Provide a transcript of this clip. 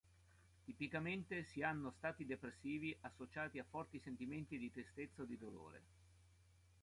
Tipicamente si hanno stati depressivi associati a forti sentimenti di tristezza o di dolore.